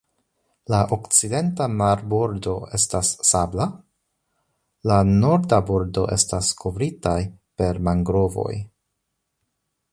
La okcidenta marbordo estas sabla, la norda bordo estas kovritaj per mangrovoj.